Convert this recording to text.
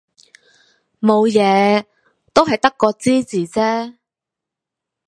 冇嘢，都係得個知字啫